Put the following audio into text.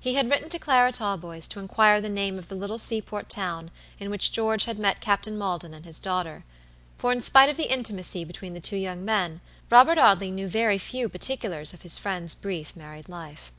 He had written to Clara Talboys to inquire the name of the little seaport town in which George had met Captain Maldon and his daughter; for in spite of the intimacy between the two young men, Robert Audley knew very few particulars of his friend's brief married life.